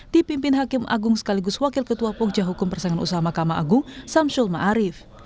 dipimpin hakim agung sekaligus wakil ketua pokja hukum persaingan usaha makam agung samsyul ma arif